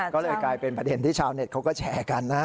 ก็เลยกลายเป็นประเด็นที่ชาวเน็ตเขาก็แชร์กันนะ